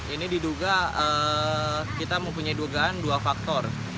ini diduga kita mempunyai dugaan dua faktor